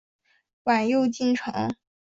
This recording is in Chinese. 晚又进城。